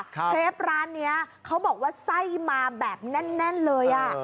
เคลปร้านนี้เขาบอกว่าไส้มาแบบแน่นเลยอ่ะ